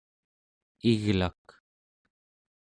iglak